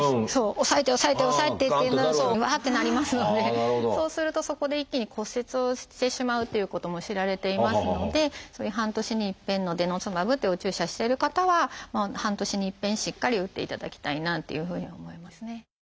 抑えて抑えて抑えてっていうのがうわってなりますのでそうするとそこで一気に骨折をしてしまうということも知られていますのでそういう半年に一遍のデノスマブというお注射してる方は半年に一遍しっかり打っていただきたいなというふうに思いますね。